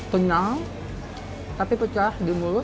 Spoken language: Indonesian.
kenyang tapi pecah di mulut